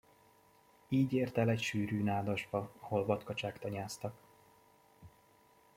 Így ért el egy sűrű nádasba, ahol vadkacsák tanyáztak.